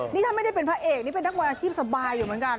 นี่ถ้าไม่ได้เป็นพระเอกนี่เป็นนักมวยอาชีพสบายอยู่เหมือนกัน